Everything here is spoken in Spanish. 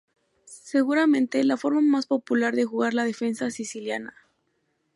Seguramente, la forma más popular de jugar la defensa siciliana.